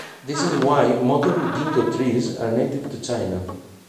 This is why modern "Ginkgo" trees are native to China.